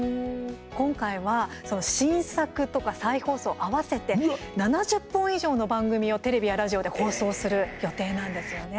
今回は新作とか再放送合わせて７０本以上の番組をテレビやラジオで放送する予定なんですよね。